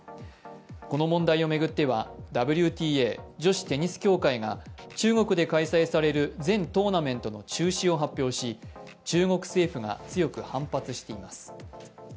この問題を巡っては、ＷＴＡ＝女子テニス協会が中国で開催される全トーナメントの中止を発表し中国政府が強く反発しています。